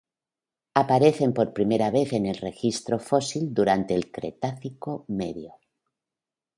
Aparecen por primera vez en el registro fósil durante el Cretácico Medio.